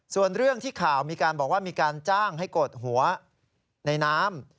ส่วนเรื่องที่ข่าวมีการบอกว่ามีการจ้างให้กดหัวในน้ำ